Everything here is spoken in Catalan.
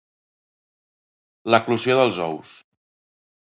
L'eclosió dels ous